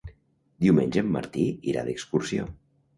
Diumenge en Martí irà d'excursió.